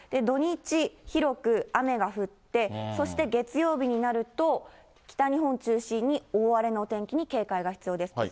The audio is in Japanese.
土日、広く雨が降って、そして月曜日になると、北日本中心に大荒れの天気に警戒が必要です。